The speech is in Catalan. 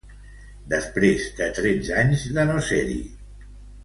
Després de tretze anys de no ser-hi.